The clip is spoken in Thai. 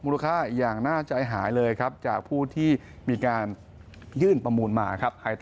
ค่าอย่างน่าใจหายเลยครับจากผู้ที่มีการยื่นประมูลมาครับ